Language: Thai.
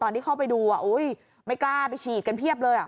ที่เข้าไปดูไม่กล้าไปฉีดกันเพียบเลย